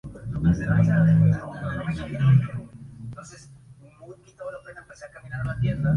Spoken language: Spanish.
En una versión inicial del guion se incluía la muerte de Lethbridge-Stewart.